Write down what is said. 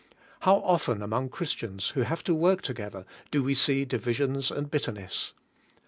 How often among Christians, who have to work together, do we see divisions and bitterness!